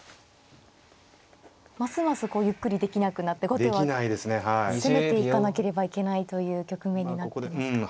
ますますこうゆっくりできなくなって後手は攻めていかなければいけないという局面になっていますか。